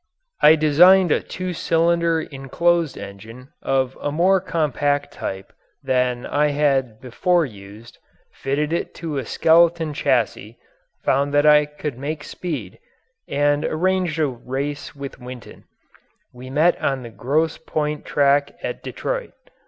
I designed a two cylinder enclosed engine of a more compact type than I had before used, fitted it into a skeleton chassis, found that I could make speed, and arranged a race with Winton. We met on the Grosse Point track at Detroit.